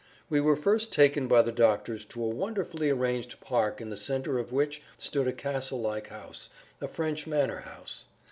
We were first taken by the doctors to a wonderfully arranged park in the center of which stood a castle like house, a French manor house.